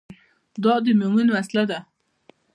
دعا د مومن وسله ده